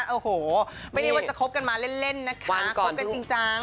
โอ้โหไปนี่วันจะคบกันมาเล่นนะคะว่าก่อนจริงจัง